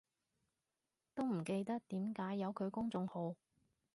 都唔記得點解有佢公眾號